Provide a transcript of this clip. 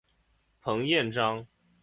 彭彦章。